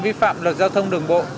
vi phạm luật giao thông đường bộ